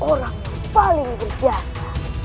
dan orang paling berbiasa